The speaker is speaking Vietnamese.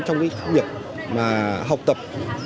trong việc học tập